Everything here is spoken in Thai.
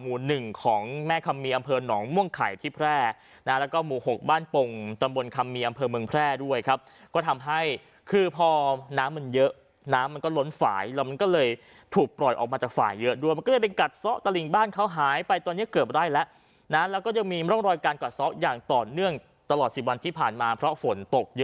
หมู่หนึ่งของแม่คำมีอำเภอหนองม่วงไข่ที่แพร่นะแล้วก็หมู่๖บ้านปงตำบลคำมีอำเภอเมืองแพร่ด้วยครับก็ทำให้คือพอน้ำมันเยอะน้ำมันก็ล้นฝ่ายแล้วมันก็เลยถูกปล่อยออกมาจากฝ่ายเยอะด้วยมันก็เลยไปกัดซ่อตะหลิงบ้านเขาหายไปตอนนี้เกือบไร่แล้วนะแล้วก็ยังมีร่องรอยการกัดซ้ออย่างต่อเนื่องตลอด๑๐วันที่ผ่านมาเพราะฝนตกเยอะ